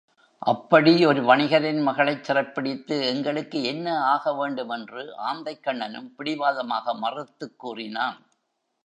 அப்படி ஒரு வணிகரின் மகளைச் சிறைப்பிடித்து எங்களுக்கு என்ன ஆகவேண்டும்? என்று ஆந்தைக்கண்ணனும் பிடிவாதமாக மறுத்துக் கூறினான்.